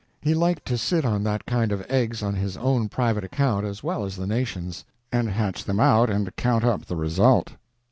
He liked to sit on that kind of eggs on his own private account as well as the nation's, and hatch them out and count up the result.